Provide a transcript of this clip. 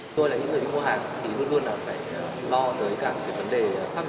tôi là những người đi mua hàng thì luôn luôn là phải lo tới cả cái vấn đề pháp lý